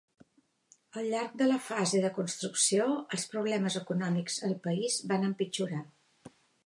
Al llarg de la fase de construcció, els problemes econòmics al país van empitjorar.